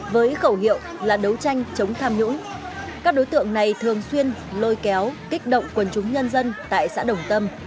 với khẩu hiệu là đấu tranh chống tham nhũng các đối tượng này thường xuyên lôi kéo kích động quần chúng nhân dân tại xã đồng tâm